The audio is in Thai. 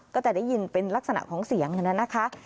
ก็จะได้ยินเป็นลักษณะของเสียงนะคะ